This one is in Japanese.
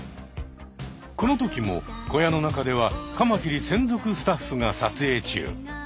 このときも小屋の中ではカマキリ専属スタッフが撮影中。